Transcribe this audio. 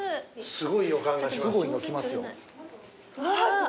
すごい予感がします。